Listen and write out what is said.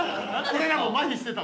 俺らも麻痺してた。